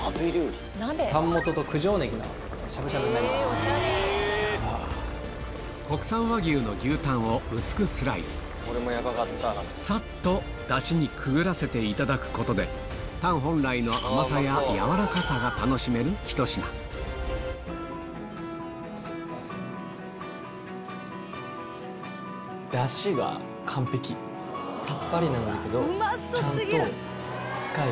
続いては国産和牛の牛タンを薄くスライスさっとダシにくぐらせていただくことでタン本来の楽しめるひと品さっぱりなんだけどちゃんと深い。